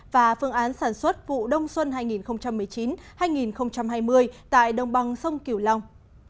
và phương án sản xuất vụ đông xuân hai nghìn một mươi chín hai nghìn hai mươi tại đồng bằng sông kiều long